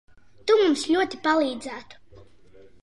Tu mums ļoti palīdzētu.